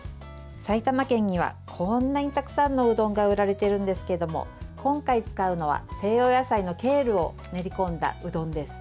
埼玉県には、こんなにたくさんのうどんが売られているんですけど今回使うのは西洋野菜のケールを練り込んだうどんです。